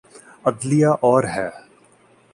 عدلیہ اور ہے۔